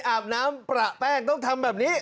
อาบน้ำประแป้งต้องทำแบบนี้